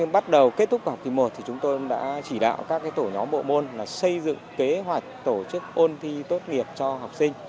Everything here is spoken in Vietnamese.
bắt đầu kết thúc vào học kỳ một thì chúng tôi đã chỉ đạo các tổ nhóm bộ môn xây dựng kế hoạch tổ chức ôn thi tốt nghiệp cho học sinh